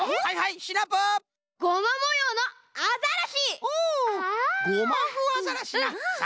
ゴマフアザラシか。